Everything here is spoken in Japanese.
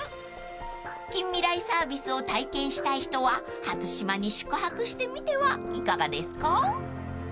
［近未来サービスを体験したい人は初島に宿泊してみてはいかがですか？］